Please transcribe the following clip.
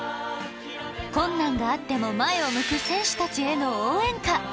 困難があっても前を向く選手たちへの応援歌。